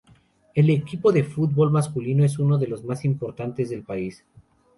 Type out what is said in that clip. El equipo de fútbol masculino es uno de los más importantes del país.